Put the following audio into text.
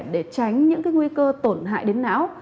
để tránh những nguy cơ tổn hại đến não